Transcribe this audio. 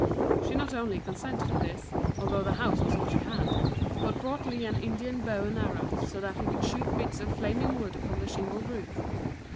She not only consented to this, although the house was all she had, but brought Lee an Indian bow and arrows, so that he could shoot bits of flaming wood upon the shingled roof.